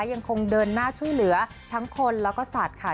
ยังคงเดินหน้าช่วยเหลือทั้งคนแล้วก็สัตว์ค่ะ